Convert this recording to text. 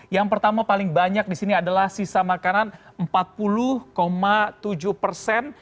yang pertama paling banyak di sini adalah sisa makanan empat puluh tujuh persen